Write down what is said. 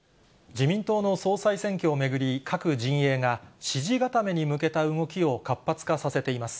自民党の総裁選挙を巡り、各陣営が支持固めに向けた動きを活発化させています。